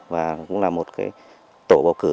và cũng là một tổ bầu cử